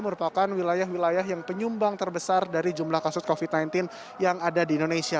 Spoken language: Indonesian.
merupakan wilayah wilayah yang penyumbang terbesar dari jumlah kasus covid sembilan belas yang ada di indonesia